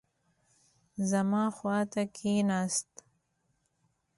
زما خوا ته کښېناست.